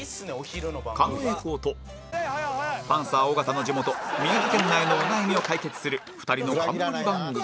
狩野英孝とパンサー尾形の地元宮城県内のお悩みを解決する２人の冠番組